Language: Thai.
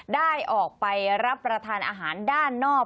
ได้ออกไปรับประทานอาหารด้านนอก